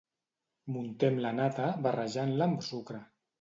Muntem la nata barrejant-la amb sucre.